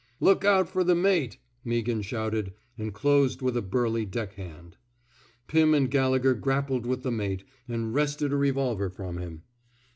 Look out fer the mate,'* Meaghan shouted, and closed with a burly deck hand. Pirn and Gallegher grappled with the mate, and wrested a revolver from him.